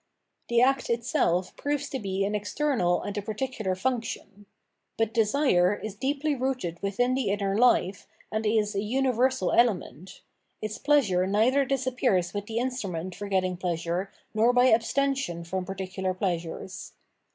The act itself proves to be an external and a particular function. But desire is deeply rooted within the inner fife, and is a universal element ; its pleasure neither disappears with the instrument for getting pleasure nor by abstention from particular pleasures.